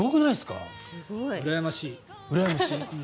うらやましい。